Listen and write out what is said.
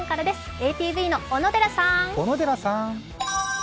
ＡＴＶの小野寺さん。